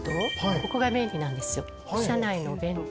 ここが便利なんですよ。